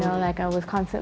saya selalu khawatir tentang